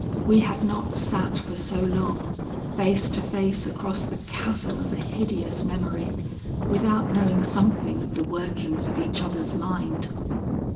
We had not sat for so long, face to face across the chasm of a hideous memory, without knowing something of the workings of each other's mind.